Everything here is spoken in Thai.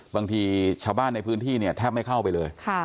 บางทีชาวบ้านในพื้นที่เนี่ยแทบไม่เข้าไปเลย